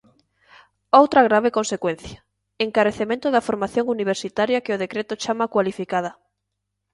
Outra grave consecuencia: encarecemento da formación universitaria que o decreto chama cualificada.